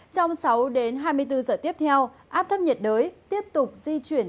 trong sáu đến hai mươi bốn giờ tiếp theo áp thấp nhiệt đới tiếp tục di chuyển